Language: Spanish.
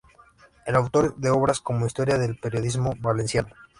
Es autor de obras como "Historia del periodismo valenciano.